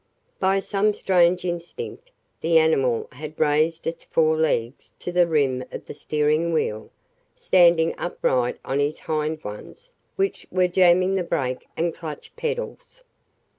By some strange instinct the animal had raised its fore legs to the rim of the steering wheel, standing upright on his hind ones, which were jamming the brake and clutch pedals.